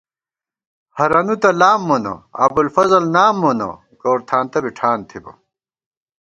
ہرَنُو تہ لام مونہ، ابُوالفضل نام مونہ ، گورتھانتہ بی ٹھان تِھبہ